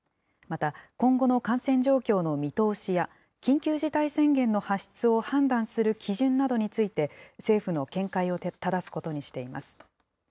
また、今後の感染状況の見通しや、緊急事態宣言の発出を判断する基準などについて、政府の見解をただすことにしています。